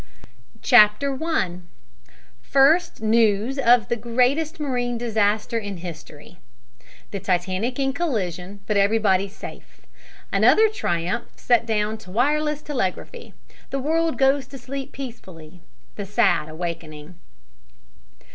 CHAPTER I. FIRST NEWS OF THE GREATEST MARINE DISASTER IN HISTORY "THE TITANIC IN COLLISION, BUT EVERYBODY SAFE" ANOTHER TRIUMPH SET DOWN TO WIRELESS TELEGRAPHY THE WORLD GOES TO SLEEP PEACEFULLY THE SAD AWAKENING.